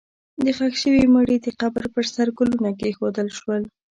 د ښخ شوي مړي د قبر پر سر ګلونه کېښودل شول.